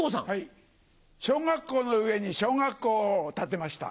小学校の上に小学校を建てました。